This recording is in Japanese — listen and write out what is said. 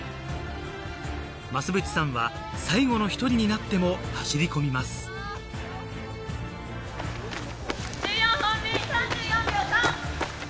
・増渕さんは最後の一人になっても走り込みます・１４本目３４秒３！